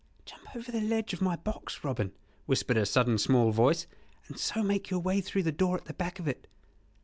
"Jump over the ledge of my box, Robin," whispered a sudden small voice, "and so make your way through the door at the back of it.